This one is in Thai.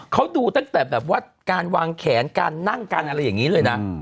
เขาดูตั้งแต่แบบว่าการวางแขนการนั่งกันอะไรอย่างนี้เลยนะ